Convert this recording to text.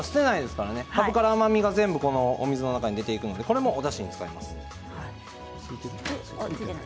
かぶから甘みが全部水の中に出ていくのでこれを、おだしに使います。